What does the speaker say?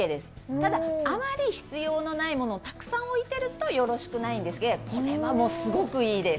ただ、あまり必要のないものをたくさん置いてるとよろしくないんですが、これはもうすごくいいです。